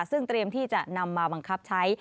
ซึ่งเตรียมที่จะนำมาบังคับใช้